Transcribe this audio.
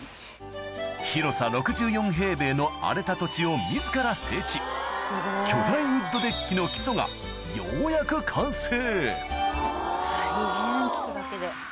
広さ６４平米の荒れた土地を自ら整地巨大ウッドデッキの基礎がようやく完成大変基礎だけで。